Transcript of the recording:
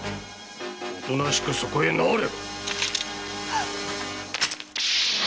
おとなしくそこへ直れ！